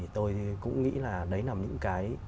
tôi cũng nghĩ là đấy là những cái